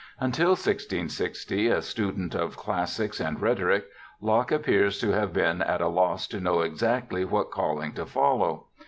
Until 1660 a student of classics and rhetoric, Locke appears to have been at a loss to know exactly what calling to follow.